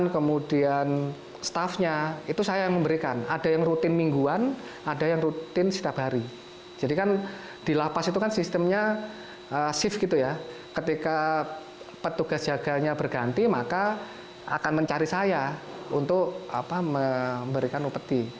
ketika petugas jaganya berganti maka akan mencari saya untuk memberikan upati